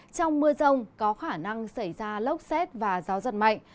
trong mưa rông có khả năng xảy ra lốc xét và gió giật mạnh